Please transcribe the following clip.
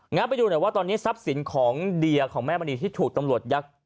ไปดูหน่อยว่าตอนนี้ทรัพย์สินของเดียของแม่มณีที่ถูกตำรวจยักษ์